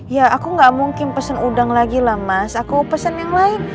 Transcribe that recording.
ya aku gak mungkin pesen udang lagi lah mas aku pesen yang lain